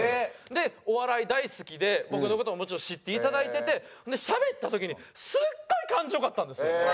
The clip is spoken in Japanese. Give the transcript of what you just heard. でお笑い大好きで僕の事ももちろん知っていただいててしゃべった時にすっごい感じ良かったんですよ！